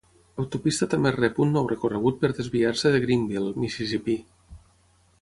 L'autopista també rep un nou recorregut per desviar-se de Greenville, Mississipí.